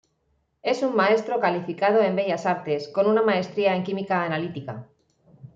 Es un maestro calificado en Bellas Artes, con una maestría en química analítica.